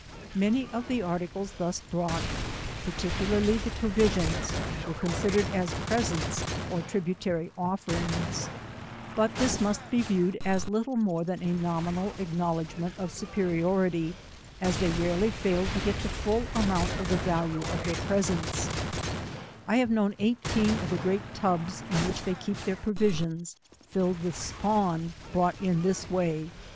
Many of the articles thus brouglit, particularly the provisions, were considered as presents, or tributary offerings, but this must be viewed as little more than a nominal acknowledgement of superi ority, as they rarely failed to get the full amount of the value of their presents, I have known etghteen of the great tubs, in which they keep their provisi^ ons, filled with spawn brought in this way.